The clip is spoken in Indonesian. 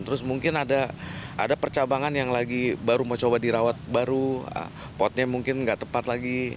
terus mungkin ada percabangan yang lagi baru mau coba dirawat baru potnya mungkin nggak tepat lagi